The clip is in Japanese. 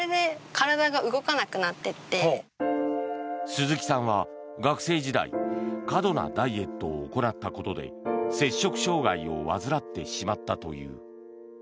鈴木さんは学生時代過度なダイエットを行ったことで摂食障害を患ってしまったという。